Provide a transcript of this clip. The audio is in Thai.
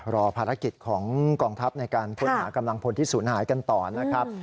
รอภารกิจของกองทัพในการค้นหากำลังพลที่ศูนย์หายกันต่อนะครับ